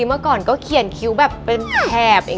เมื่อก่อนก็เขียนคิ้วแบบเป็นแถบเอง